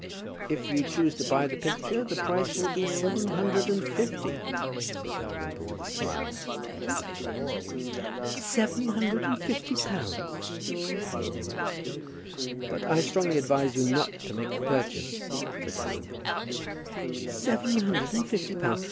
"If you choose to buy the picture, the price will be seven hundred and fifty," said Dalrymple, with a smile, pointing to the fragments. "Seven hundred and fifty pounds?" said the old woman. "But I strongly advise you not to make the purchase," said Dalrymple. "Seven hundred and fifty pounds!